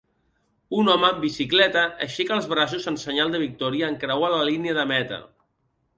Un home amb bicicleta aixeca els braços en senyal de victòria en creuar la línia de meta.